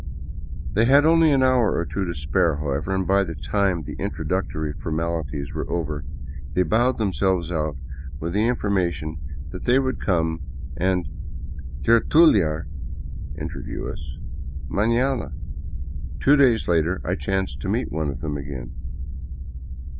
They had only an hour or two to spare, how ever, and by the time the introductory formalities were over they bowed themselves out with the information that they would come and tertu liar (interview) us — manana. Two days later I chanced to meet one of them again.